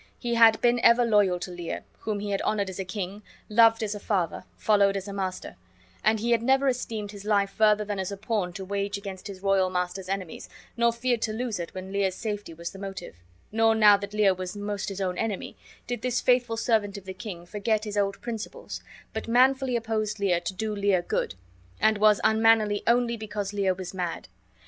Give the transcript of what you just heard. He had been ever loyal to Lear, whom he had honored as a king, loved as a father, followed as a master; and he had never esteemed his life further than as a pawn to wage against his royal master's enemies, nor feared to lose it when Lear's safety was the motive; nor, now that Lear was most his own enemy, did this faithful servant of the king forget his old principles, but manfully opposed Lear to do Lear good; and was unmannerly only because Lear was mad.